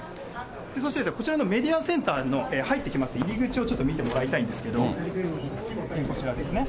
そして、こちらのメディアセンターの、入ってきます入り口をちょっと見てもらいたいんですけれども、こちらですね。